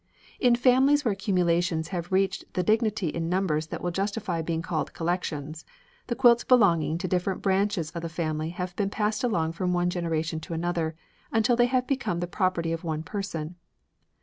In families where accumulations have reached the dignity in numbers that will justify being called collections, the quilts belonging to different branches of the family have been passed along from one generation to another, until they have become the property of one person.